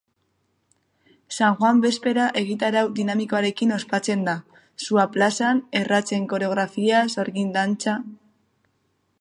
San Juan bezpera egitarau dinamikoarekin ospatzen da: sua plazan, erratzen koreografia, sorgin-dantza...